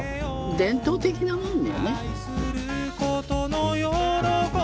伝統的なもんよね。